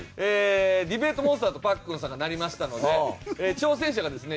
ディベートモンスターとパックンさんがなりましたので挑戦者がですね